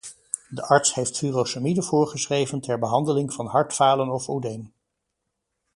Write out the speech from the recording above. De arts heeft furosemide voorgeschreven ter behandeling van hartfalen of oedeem.